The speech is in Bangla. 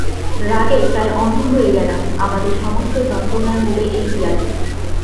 রাগে প্রায় অন্ধ হয়ে গেলাম-আমাদের সমস্ত যন্ত্রণার মূলে এই বিড়াল।